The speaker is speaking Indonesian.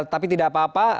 tapi tidak apa apa